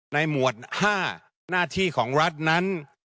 หมวด๕หน้าที่ของรัฐนั้น